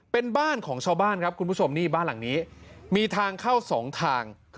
เป็นบ้านของชาวบ้านครับคุณผู้ชมนี่บ้านหลังนี้มีทางเข้าสองทาง